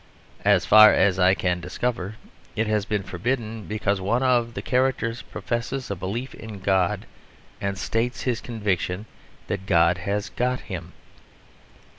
As far as I can discover, it has been forbidden because one of the characters professes a belief in God and states his conviction that God has got him.